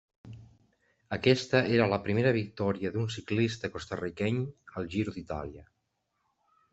Aquesta era la primera victòria d'un ciclista costa-riqueny al Giro d'Itàlia.